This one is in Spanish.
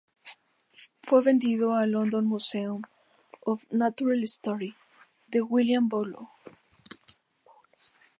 Fue vendido al London Museum of Natural History de William Bullock.